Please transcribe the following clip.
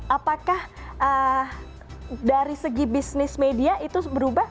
apakah dari segi bisnis media itu berubah